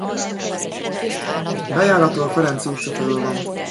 Bejárata a Ferenczy utca felől van.